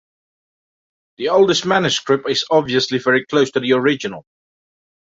The oldest manuscript is obviously very close to the original.